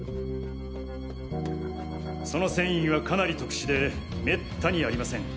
その繊維はかなり特殊で滅多にありません。